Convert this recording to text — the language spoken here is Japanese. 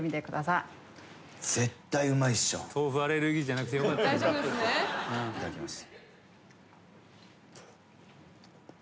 いただきます。